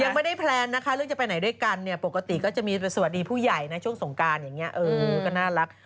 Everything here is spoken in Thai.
ยังไม่ได้แพลนนะคะเรื่องจะไปไหนด้วยกันเนี่ยปกติก็จะมีสวัสดีผู้ใหญ่นะช่วงสงการอย่างนี้เออก็น่ารัก